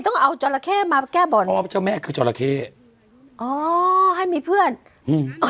ต้องเอาจราเข้มาแก้บนอ๋อเจ้าแม่คือจราเข้อ๋อให้มีเพื่อนอืมอ๋อ